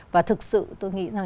và thực sự tôi nghĩ rằng